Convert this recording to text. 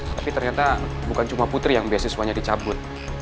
tapi ternyata bukan cuma putri yang beasiswanya dicabut